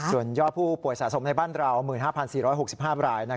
ส่วนยอดผู้ป่วยสะสมในบ้านเรา๑๕๔๖๕ราย